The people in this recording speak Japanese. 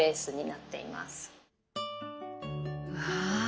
うわ。